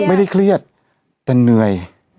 ไม่ได้เครียดแต่เหนื่อย